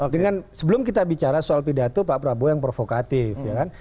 dengan sebelum kita bicara soal pidato pak prabowo yang provokatif ya kan